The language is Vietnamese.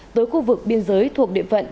tới khu vực biên giới thuộc địa phận